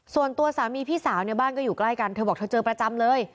ส่วนตัวสามีพี่สาวเนี่ยบ้านก็อยู่ใกล้กันเธอบอกเธอเจอประจำเลย